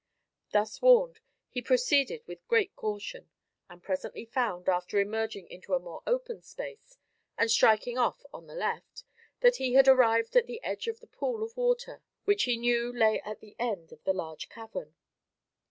Thus warned, he proceeded with great caution, and presently found, after emerging into a more open space, and striking off on the left, that he had arrived at the edge of the pool of water which he knew lay at the end of the large cavern.